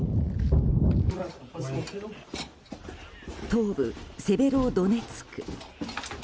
東部、セベロドネツク。